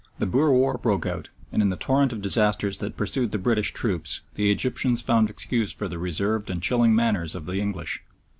The Boer War broke out, and in the torrent of disasters that pursued the British troops the Egyptians found excuse for the reserved and chilling manners of the English.